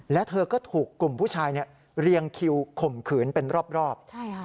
และเธอก็ถูกกลุ่มผู้ชายเรียงคิวข่มขืนเป็นรอบ